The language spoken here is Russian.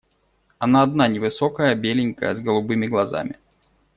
Она одна невысокая, беленькая, с голубыми глазами.